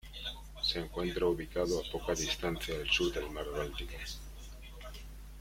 Se encuentra ubicado a poca distancia al sur del mar Báltico.